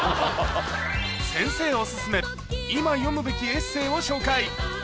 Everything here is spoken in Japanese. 先生お薦め、今読むべきエッセーを紹介。